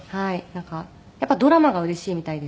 なんかやっぱりドラマがうれしいみたいです